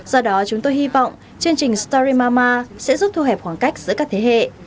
do đó chúng tôi hy vọng chương trình stary mama sẽ giúp thu hẹp khoảng cách giữa các thế hệ